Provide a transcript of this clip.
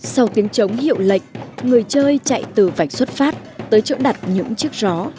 sau tiếng trống hiệu lệch người chơi chạy từ vạch xuất phát tới chỗ đặt những chiếc rõ